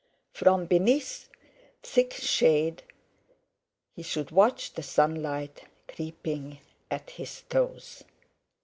From beneath thick shade he should watch the sunlight creeping at his toes.